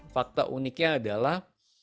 fakta uniknya adalah